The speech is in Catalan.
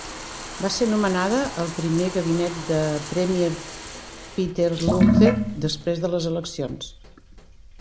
Va ser nomenada al primer gabinet de Premier Peter Lougheed després de les eleccions.